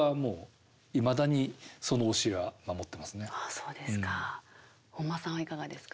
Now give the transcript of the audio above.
そうですか。